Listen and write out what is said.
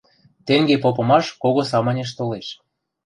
Тенге попымаш кого самынеш толеш.